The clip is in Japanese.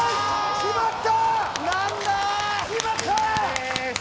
決まった！